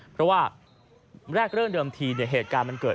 เพราะว่าแรกเริ่มเดิมทีเหตุการณ์มันเกิด